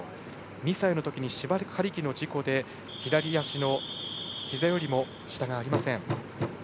２歳のときに芝刈り機の事故で左足のひざよりも下がありません。